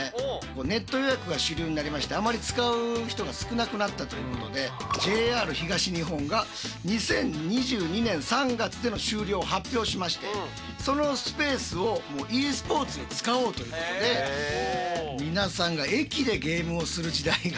ネット予約が主流になりましてあまり使う人が少なくなったということでＪＲ東日本が２０２２年３月での終了を発表しましてそのスペースをｅスポーツに使おうということで皆さんが駅でゲームをする時代が。